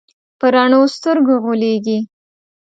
په رڼو سترګو غولېږي.